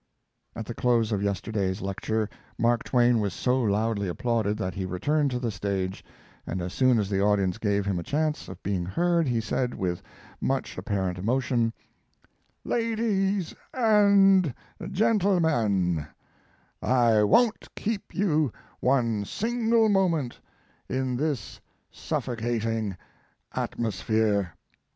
At the close of yesterday's lecture Mark Twain was so loudly applauded that he returned to the stage, and, as soon as the audience gave him a chance of being heard, he said, with much apparent emotion: "Ladies and Gentlemen, I won't keep you one single moment in this suffocating atmosphere.